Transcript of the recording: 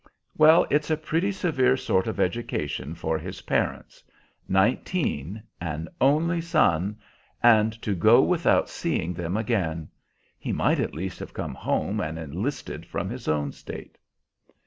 "Well, it's a pretty severe sort of education for his parents nineteen, an only son, and to go without seeing them again. He might at least have come home and enlisted from his own State."